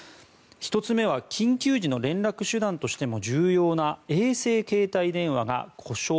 １つ目は緊急時の連絡手段としても重要な衛星携帯電話が故障。